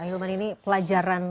hilman ini pelajaran